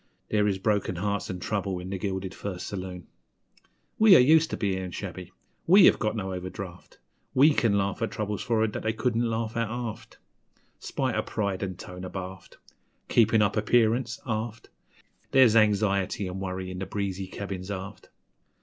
There is broken hearts an' trouble in the gilded first saloon! We are used to bein' shabby we have got no overdraft We can laugh at troubles for'ard that they couldn't laugh at aft; Spite o' pride an' tone abaft (Keepin' up appearance, aft) There's anxiety an' worry in the breezy cabins aft.